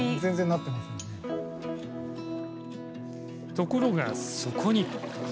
ところが、そこに。